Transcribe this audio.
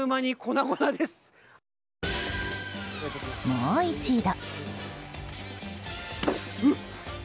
もう一度。